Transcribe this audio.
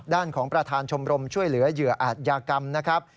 ด้านของประธานชมรมช่วยเหลือเหยื่ออาจยากรรมนะครับ